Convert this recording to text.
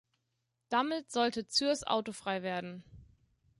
Damit sollte Zürs autofrei werden.